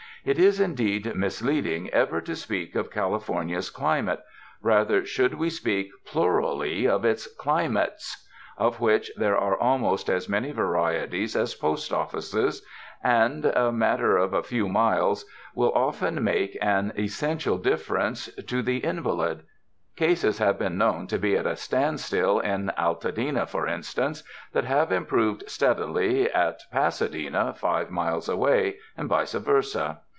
It is, indeed, misleading ever to speak of Cal ifornia's climate— rather should we speak plurally of its climates, of which there are almost as many varieties as post offices ; and a matter of a few miles will often make an essential difference to the in 278 CONCERNING THE CLIMATE valid. Cases have been known to be at a standstill in Altadena, for instance, that have improved stead ily at Pasadena, five miles away, and vice versa.